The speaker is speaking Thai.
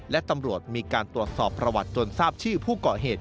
และตำรวจมีการตรวจสอบประวัติจนทราบชื่อผู้ก่อเหตุ